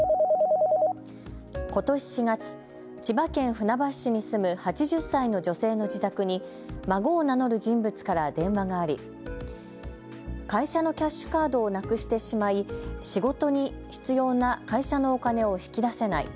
ことし４月、千葉県船橋市に住む８０歳の女性の自宅に孫を名乗る人物から電話があり会社のキャッシュカードをなくしてしまい、仕事に必要な会社のお金を引き出せない。